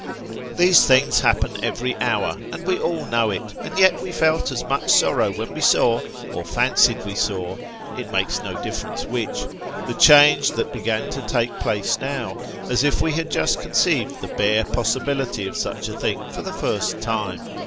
These things happen every hour, and we all know it ; and yet we felt as much sorrow when we saw, or fancied we saw it makes no difference which the change that began to take place now, as if wo had just conceived the bare possibility of such a thing for the first time.